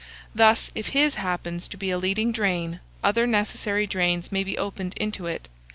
Thus, if his happens to be a leading drain, other necessary drains may be opened into it.